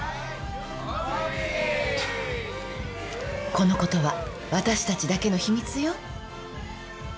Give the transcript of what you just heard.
この事は私たちだけの秘密よ。